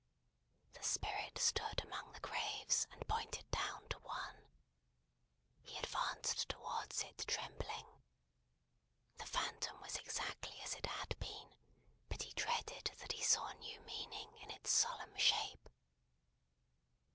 The Spirit stood among the graves, and pointed down to One. He advanced towards it trembling. The Phantom was exactly as it had been, but he dreaded that he saw new meaning in its solemn shape.